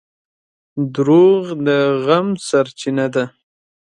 • دروغ د غم سرچینه ده.